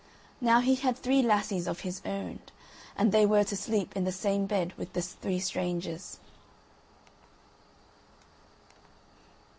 Now he had three lassies of his own, and they were to sleep in the same bed with the three strangers.